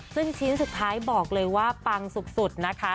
ซึ่งชิ้นสุดท้ายบอกเลยว่าปังสุดนะคะ